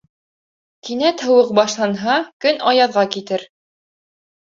Кинәт һыуыҡ башланһа, көн аяҙға китер.